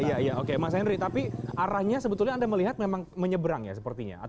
mas henry tapi arahnya sebetulnya anda melihat memang menyeberang ya sepertinya